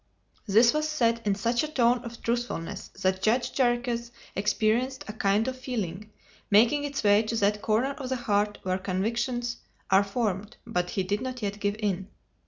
This was said in such a tone of truthfulness that Judge Jarriquez experienced a kind of feeling making its way to that corner of the heart where convictions are formed, but he did not yet give in.